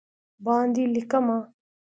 باندې لېکمه